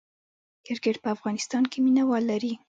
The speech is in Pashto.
کرکټ په افغانستان کې مینه وال لري